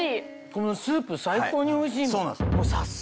このスープ最高においしいもん！